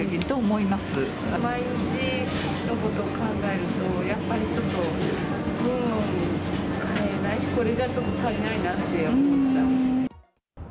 毎日のこと考えると、やっぱりちょっと買えない、これじゃちょっと買えないって思っちゃう。